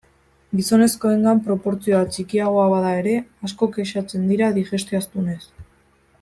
Gizonezkoengan proportzioa txikiagoa bada ere, asko kexatzen dira digestio astunez.